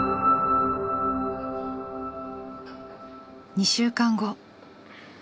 ２週間後。